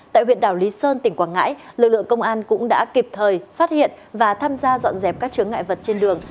tại huyện đảo lý sơn tỉnh quảng ngãi lực lượng công an cũng đã kịp thời phát hiện và tham gia dọn dẹp các chướng ngại vật trên đường